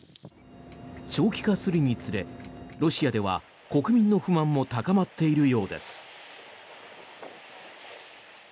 長期化するにつれロシアでは国民の不満も高まっているようです。